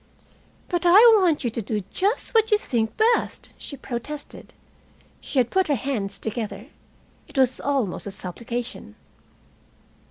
"But I want you to do just what you think best," she protested. She had put her hands together. It was almost a supplication.